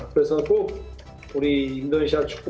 dan mereka akan lebih baik